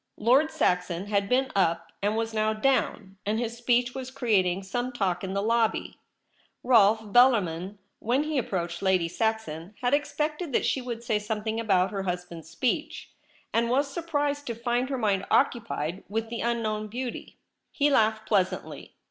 Lord Saxon had been up, and was now down, and his speech was creating some talk in the lobby. Rolfe Bellarmin, when he approached Lady Saxon, had ex pected that she would say something about her husband's speech, and was surprised to find her mind occupied with the unknown beauty. He laughed pleasantly.